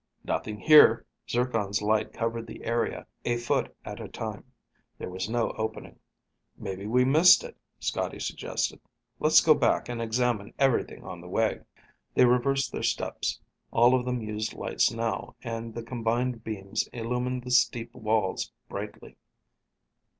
"Nothing here." Zircon's light covered the area a foot at a time. There was no opening. "Maybe we missed it," Scotty suggested. "Let's go back, and examine everything on the way." They reversed their steps. All of them used lights now, and the combined beams illumined the steep walls brightly.